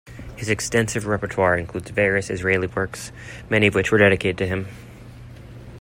His extensive repertoire includes various Israeli works, many of which were dedicated to him.